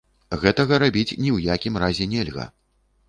Гэтага рабіць ні ў якім разе нельга.